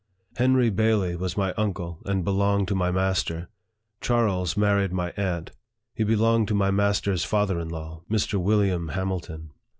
Henry Bailey was my uncle, and belonged to my master. Charles married my aunt : he belonged to my master's father in law, Mr. William Hamilton.